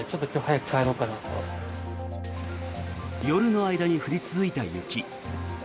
夜の間に降り続いた雪。